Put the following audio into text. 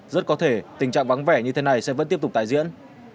rất có thể tình trạng vắng vẻ như thế này sẽ vẫn tiếp tục tái diễn